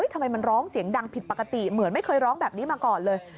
ทำไมมันร้องเสียงดังผิดปกติเหมือนไม่เคยร้องแบบนี้มาก่อนเลย